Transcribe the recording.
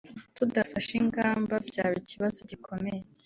tudafashe ingamba byaba ikibazo gikomeye